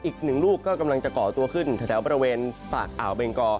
อีกหนึ่งลูกก็กำลังจะก่อตัวขึ้นแถวบริเวณปากอ่าวเบงกอ